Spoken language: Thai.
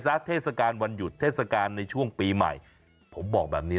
เทศกาลวันหยุดเทศกาลในช่วงปีใหม่ผมบอกแบบนี้